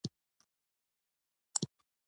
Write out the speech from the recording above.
که څوک په تېرو پسې ارمان ته ځان وسپاري.